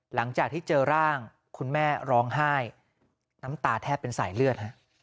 หลังจากที่เจอร่างคุณแม่ร้องไห้น้ำตาแทบเป็นสายเลือด